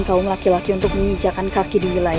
kaum laki laki untuk menginjakan kaki di wilayah